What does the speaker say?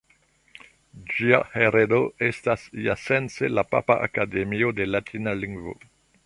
Ĝia heredo estas iasence la Papa Akademio de Latina Lingvo.